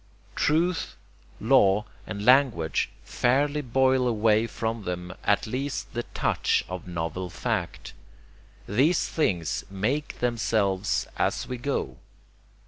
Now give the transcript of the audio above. Truth, law, and language fairly boil away from them at the least touch of novel fact. These things MAKE THEMSELVES as we go.